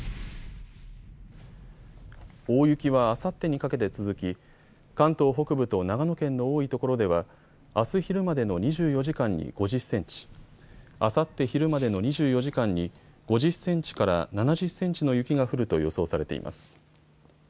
大雪はあさってにかけて続き関東北部と長野県の多いところではあす昼までの２４時間に５０センチ、あさって昼までの２４時間に５０センチから７０センチの雪が降ると予想されています。